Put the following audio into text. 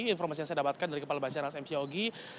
informasi yang saya dapatkan dari kepala basarnas m sogi